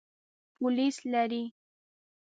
پولیس لري.